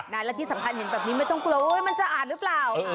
และที่สำคัญเห็นแบบนี้ไม่ต้องกลัวมันสะอาดหรือเปล่า